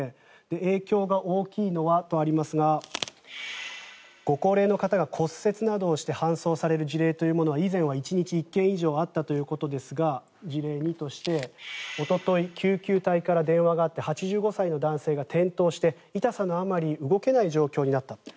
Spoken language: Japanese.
影響が大きいのはとありますがご高齢の方が骨折などをして搬送される事例というのは以前は１日１件以上あったということですが事例２としておととい救急隊から電話があって８５歳の男性が転倒して、痛さのあまり動けない状況になったと。